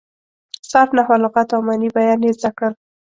صرف، نحو، لغت او معاني بیان یې زده کړل.